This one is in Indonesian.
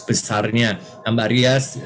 besarnya mbak ria